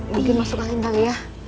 mungkin masuk kakinya ya